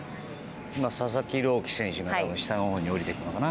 佐々木朗希選手が下のほうに降りていくのかな。